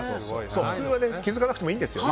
普通は気づかなくてもいいんですよ。